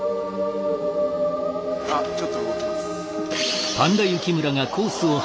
あちょっと動きます。